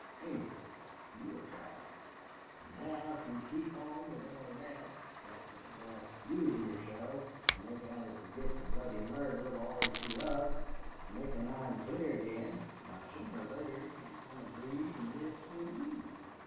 Anyway, you attract. An' now if you keep on with all thet thet wal, usin' yourself to make Allie fergit the bloody murder of all she loved, to make her mind clear again why, sooner or later she's a goin' to breathe an' live through you.